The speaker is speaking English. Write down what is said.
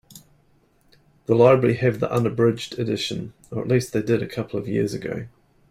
The library have the unabridged edition, or at least they did a couple of years ago.